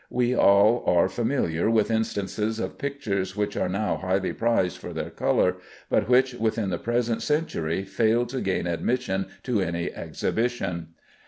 We all are familiar with instances of pictures which are now highly prized for their color, but which within the present century failed to gain admission to any exhibition.